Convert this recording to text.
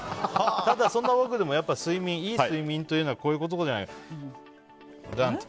そんな中でもいい睡眠というのはこういうことじゃないかと。